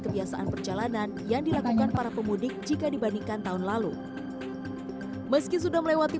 kebiasaan perjalanan yang dilakukan para pemudik jika dibandingkan tahun lalu meski sudah melewati